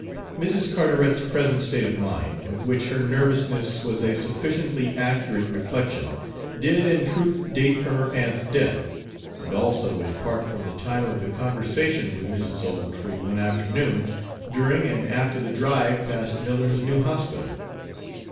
Mrs. Carteret's present state of mind, of which her nervousness was a sufficiently accurate reflection, did in truth date from her aunt's death, and also in part from the time of the conversation with Mrs. Ochiltree, one afternoon, during and after the drive past Miller's new hospital.